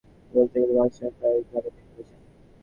বলতে গেলে ভাসকেস প্রায় সব জায়গাতেই খেলেছেন।